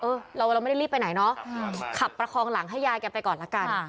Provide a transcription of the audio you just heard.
เราไม่ได้รีบไปไหนเนาะขับประคองหลังให้ยายแกไปก่อนละกัน